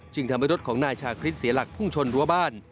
ทำให้รถของนายชาคริสเสียหลักพุ่งชนรั้วบ้าน